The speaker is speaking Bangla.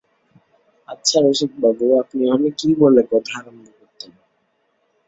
আচ্ছা রসিকবাবু, আপনি হলে কী বলে কথা আরম্ভ করতেন?